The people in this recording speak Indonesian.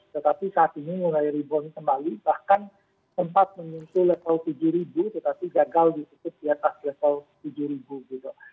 tetapi saat ini mulai rebound kembali bahkan sempat menyentuh level tujuh ribu tetapi gagal ditutup di atas level tujuh ribu gitu